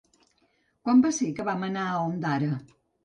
Quan va ser que vam anar a Ondara?